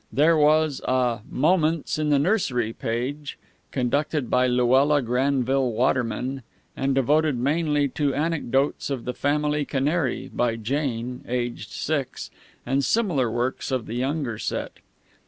There was a "Moments in the Nursery" page, conducted by Luella Granville Waterman and devoted mainly to anecdotes of the family canary, by Jane (aged six), and similar works of the younger set.